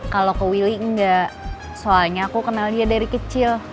kalau ke willy enggak soalnya aku kenal dia dari kecil